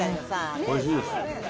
おいしいです。